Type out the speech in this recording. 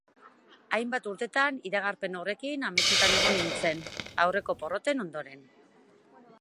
Hainbat urtetan iragarpen horrekin ametsetan egon nintzen, aurreko porroten ondoren.